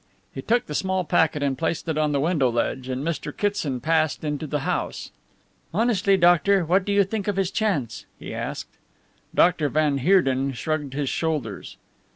He took the small packet and placed it on the window ledge and Mr. Kitson passed into the house. "Honestly, doctor, what do you think of his chance?" he asked. Dr. van Heerden shrugged his shoulders.